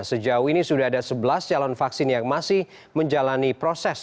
sejauh ini sudah ada sebelas calon vaksin yang masih menjalani proses